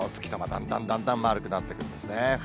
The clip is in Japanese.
だんだんだんだん丸くなってくるんですね。